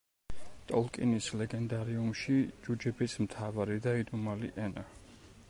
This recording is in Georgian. ტოლკინის ლეგენდარიუმში ჯუჯების მთავარი და იდუმალი ენა.